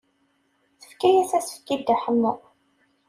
Tefka-as asefk i Dda Ḥemmu.